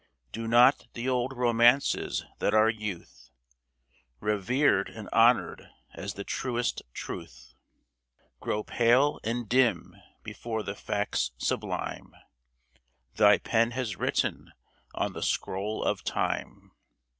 Do not the old romances that our youth, Revered and honored as the truest truth, Grow pale and dim before the facts sublime Thy pen has written on the scroll of Time